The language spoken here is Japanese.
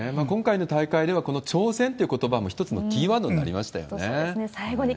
今回の大会では、この挑戦ということばも１つのキーワードになりましたよね。